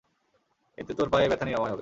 এতে তোর পায়ে ব্যথা নিরাময় হবে।